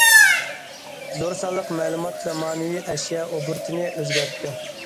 زور سانلىق مەلۇمات زامانىۋى ئەشيا ئوبوروتنى ئۆزگەرتتى.